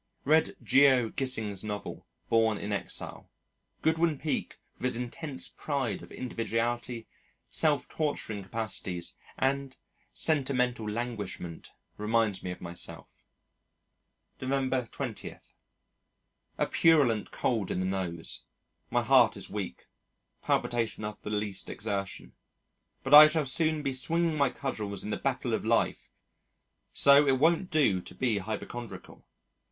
Read Geo. Gissing's novel, Born in Exile. Godwin Peak, with his intense pride of individuality, self torturing capacities, and sentimental languishment, reminds me of myself. November 20. A purulent cold in the nose. My heart is weak. Palpitation after the least exertion. But I shall soon be swinging my cudgels in the battle of life, so it won't do to be hypochondriacal....